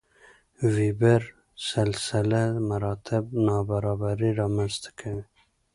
وېبر سلسله مراتب نابرابري رامنځته کوي.